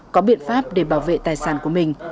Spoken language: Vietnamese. có biện pháp để bảo vệ tài sản của mình